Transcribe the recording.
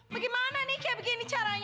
bagaimana nih kayak begini caranya